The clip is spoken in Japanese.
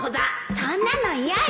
そんなの嫌よ